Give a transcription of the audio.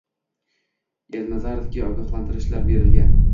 Ernazarovga ogohlantirishlar berilgan